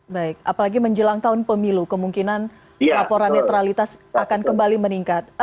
baik apalagi menjelang tahun pemilu kemungkinan laporan netralitas akan kembali meningkat